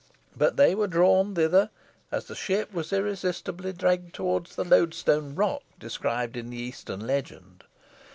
But they were drawn thither, as the ship was irresistibly dragged towards the loadstone rock described in the Eastern legend.